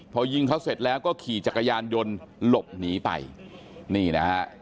พอยิงเขาเสร็จแล้วก็ขี่จักรยานยนต์หลบหนีไปนี่นะฮะ